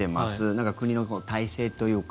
なんか国の体制というか。